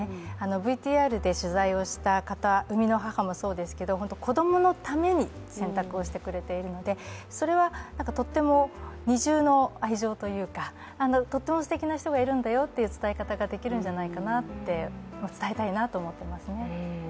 ＶＴＲで取材をした方、生みの母もそうですけど子供のために選択をしてくれているのでそれはとっても、二重の愛情というかとってもすてきな人がいるんだよっていう伝え方ができるんじゃないかなって伝えたいなと思ってますね。